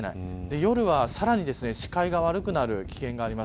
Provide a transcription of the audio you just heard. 夜は、さらに視界が悪くなる危険があります。